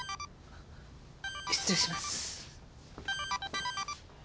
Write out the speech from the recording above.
失礼します。